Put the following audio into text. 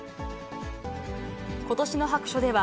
ことしの白書では、